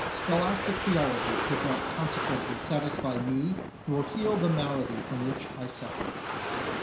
Scholastic theology could not consequently satisfy me nor heal the malady from which I suffered.